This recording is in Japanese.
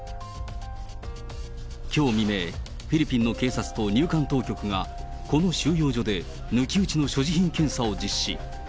きょう未明、フィリピンの警察と入管当局が、この収容所で抜き打ちの所持品検査を実施。